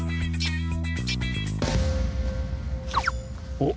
おっ！